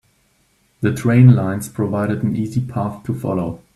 The train lines provided an easy path to follow.